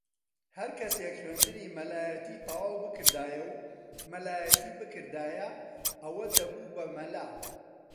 ھەر کەسێک خوێندنی مەلایەتی تەواو بکردایە و مەلایەتی بکردایە ئەوە دەبوو بە مەلا